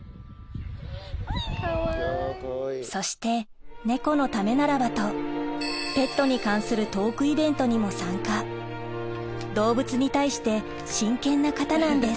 そして猫のためならばとペットに関するトークイベントにも参加動物に対して真剣な方なんです